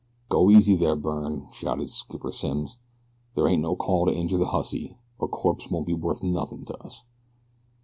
"Go easy there, Byrne," shouted Skipper Simms; "there ain't no call to injure the hussy a corpse won't be worth nothing to us."